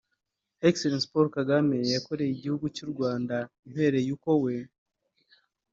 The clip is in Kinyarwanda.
E Paul Kagame yakoreye igihugu cy'u Rwanda mpereye uko we